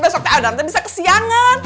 besoknya adam bisa kesiangan